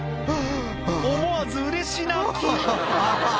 思わずうれし泣き